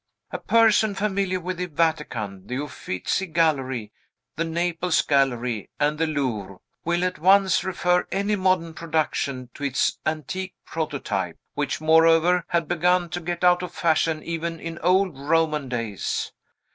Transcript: A person familiar with the Vatican, the Uffizzi Gallery, the Naples Gallery, and the Louvre, will at once refer any modern production to its antique prototype; which, moreover, had begun to get out of fashion, even in old Roman days."